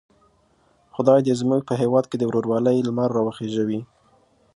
خدای دې زموږ په هیواد کې د ورورولۍ لمر را وخېژوي.